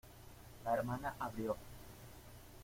la hermana abrió.